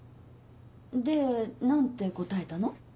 で何て答えたの？